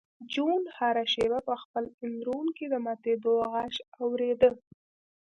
جون هره شېبه په خپل اندرون کې د ماتېدو غږ اورېده